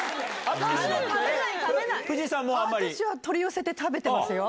私は取り寄せて食べてますよ。